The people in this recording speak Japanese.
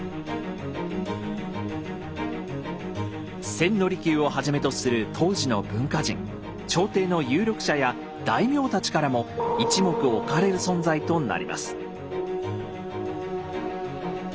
千利休をはじめとする当時の文化人朝廷の有力者や大名たちからも一目置かれる存在となります。